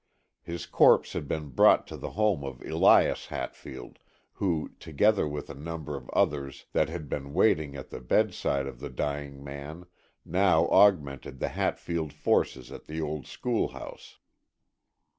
His corpse had been brought to the home of Elias Hatfield, who, together with a number of others that had been waiting at the bedside of the dying man, now augmented the Hatfield forces at the old schoolhouse.